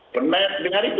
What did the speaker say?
pernah dengar itu